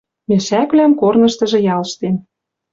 Мешӓквлӓм корныштыжы ялштен